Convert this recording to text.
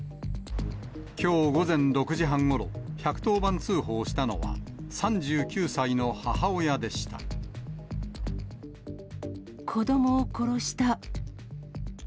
きょう午前６時半ごろ、１１０番通報したのは、３９歳の母親でし子どもを殺した。